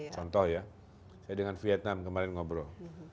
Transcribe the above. contoh ya saya dengan vietnam kemarin ngobrol